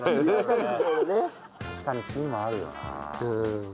確かにキーマあるよな。